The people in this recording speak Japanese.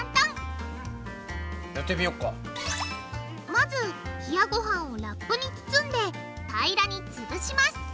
まず冷やごはんをラップに包んで平らにつぶします